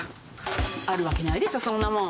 あるわけないでしょそんなもん。